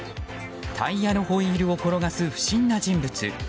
タイヤのホイールを転がす不審な人物。